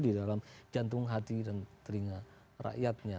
di dalam jantung hati dan telinga rakyatnya